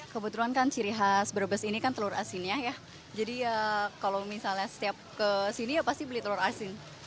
kebetulan kan ciri khas brebes ini kan telur asinnya ya jadi ya kalau misalnya setiap ke sini ya pasti beli telur asin